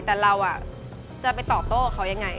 แต่เราจะไปต่อโต้เขายังไง